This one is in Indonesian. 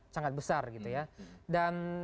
sangat besar gitu ya dan